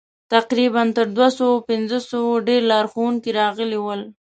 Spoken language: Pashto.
تقریباً تر دوه سوه پنځوسو ډېر لارښوونکي راغلي ول.